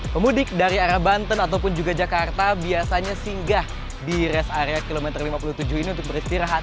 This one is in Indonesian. pemudik dari arah banten ataupun juga jakarta biasanya singgah di rest area kilometer lima puluh tujuh ini untuk beristirahat